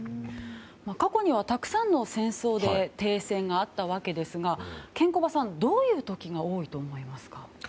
過去にはたくさんの戦争で停戦があったわけですがケンコバさん、どういう時が多いと思いますか？